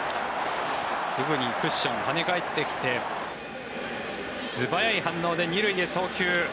すぐにクッション跳ね返ってきて素早い反応で２塁へ送球。